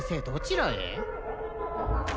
どちらへ？